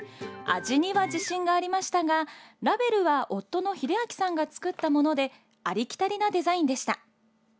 味には自信がありましたがラベルは夫の秀明さんが作ったものでありきたりなデザインでした。